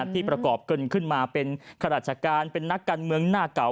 ที่ประกอบกันขึ้นมาเป็นข้าราชการเป็นนักการเมืองหน้าเก่า